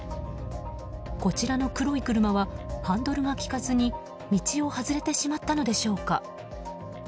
こちらの黒い車はハンドルが利かずに道を外れてしまったのでしょうか。